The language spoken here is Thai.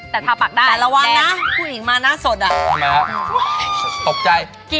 แต่ระวังนะผู้หญิงมาหน้าสดอ่ะ